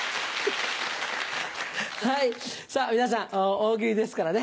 はいさぁ皆さん「大喜利」ですからね。